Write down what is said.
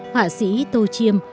họa sĩ tô chiêm